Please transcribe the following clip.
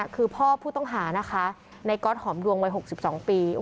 คือพ่อผู้ต้องหานะคะในก๊อตหอมดวงวัย๖๒ปี